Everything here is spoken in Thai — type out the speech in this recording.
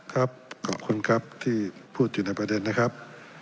ขอบคุณครับที่พูดอยู่ในประเด็นนะครับ